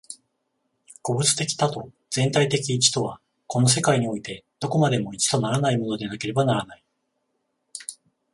個物的多と全体的一とは、この世界においてどこまでも一とならないものでなければならない。